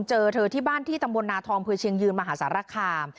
เจอเธอที่บ้านที่ตำบลนาทองเพื่อเชียงยืนมหาสารคาม